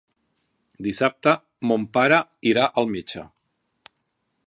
Dissabte mon pare irà al metge.